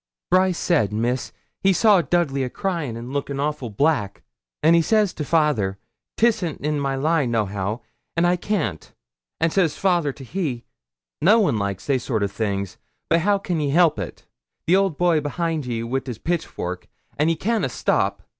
'Brice said, Miss, he saw Dudley a cryin' and lookin' awful black, and says he to fayther, "'Tisn't in my line nohow, an' I can't;" and says fayther to he, "No one likes they soart o' things, but how can ye help it? The old boy's behind ye wi' his pitchfork, and ye canna stop."